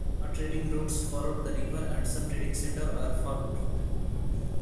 Trading routes followed the river and some trading centers were formed.